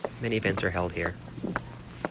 Many events are held here.